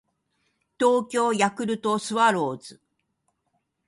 東京ヤクルトスワローズ